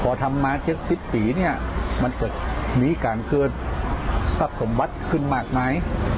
ก่อทำมาเย็นปีเนี่ยมันเกิดมีการเคลื่อนสรรพสมบัติขึ้นมากมาย